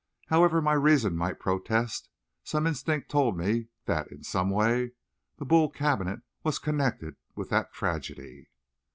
However my reason might protest, some instinct told me that, in some way, the Boule cabinet was connected with that tragedy.